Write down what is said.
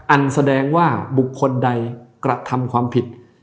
แสดงว่าบุคคลใดกระทำความผิด